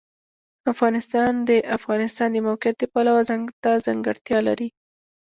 افغانستان د د افغانستان د موقعیت د پلوه ځانته ځانګړتیا لري.